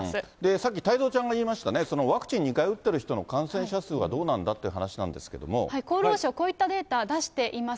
さっき太蔵ちゃんが言いましたね、ワクチン２回打ってる人の感染者数はどうなんだっていう話なんで厚労省、こういったデータ、出しています。